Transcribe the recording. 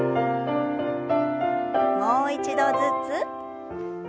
もう一度ずつ。